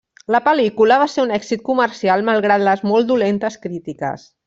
La pel·lícula va ser un èxit comercial malgrat les molt dolentes crítiques.